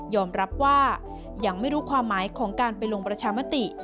รับว่ายังไม่รู้ความหมายของการไปลงประชามติ